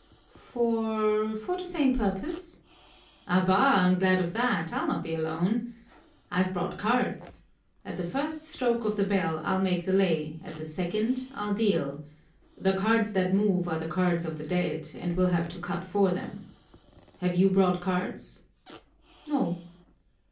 "For for the same purpose." "Abá! I'm glad of that, I'll not be alone. I've brought cards. At the first stroke of the bell I'll make the lay, at the second I'll deal. The cards that move are the cards of the dead and we'll have to cut for them. Have you brought cards?" "No."